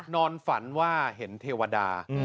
นอนฝันว่าเห็นเทวดา